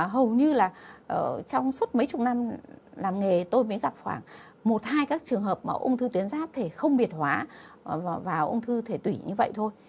hầu như là trong suốt mấy chục năm làm nghề tôi mới gặp khoảng một hai các trường hợp mà ung thư tuyến ráp thì không biệt hóa vào ung thư thể tủy như vậy thôi